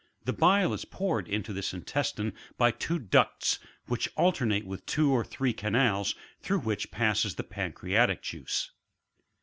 The bile is poured into this intestine by two ducts, which alternate with two or three canals, through which passes the pancreatic juice.